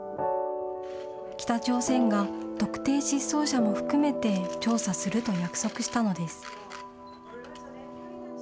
北朝鮮が特定失踪者も含めて調査すると約束したのです。